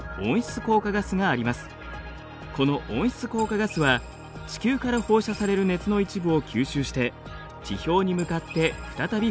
この温室効果ガスは地球から放射される熱の一部を吸収して地表に向かって再び放射します。